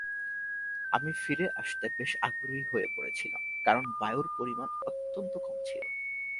আমি ফিরে আসতে বেশ আগ্রহী হয়ে পড়ছিলাম কারণ বায়ুর পরিমাণ অত্যন্ত কম ছিল।